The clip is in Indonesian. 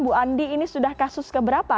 bu andi ini sudah kasus keberapa